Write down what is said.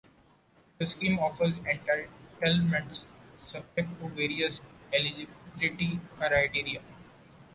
The scheme offers entitlements subject to various eligibility criteria.